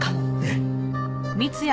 ええ。